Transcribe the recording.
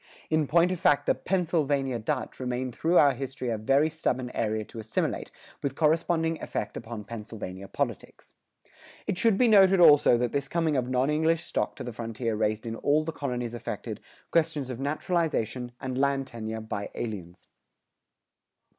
In point of fact the "Pennsylvania Dutch" remained through our history a very stubborn area to assimilate, with corresponding effect upon Pennsylvania politics. It should be noted also that this coming of non English stock to the frontier raised in all the colonies affected, questions of naturalization and land tenure by aliens.